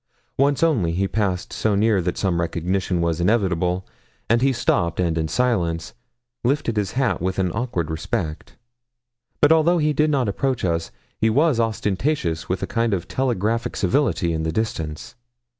Once only he passed so near that some recognition was inevitable, and he stopped and in silence lifted his hat with an awkward respect. But although he did not approach us, he was ostentatious with a kind of telegraphic civility in the distance.